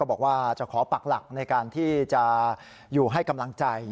บอกว่าจะขอปักหลักในการที่จะอยู่ให้กำลังใจ